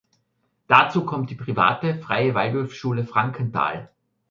Dazu kommt die private Freie Waldorfschule Frankenthal.